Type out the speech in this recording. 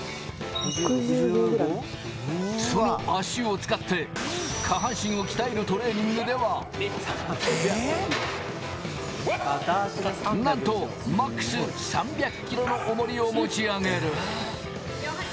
その足を使って下半身を鍛えるトレーニングでは、なんとマックス３００ｋｇの重りを持ち上げる。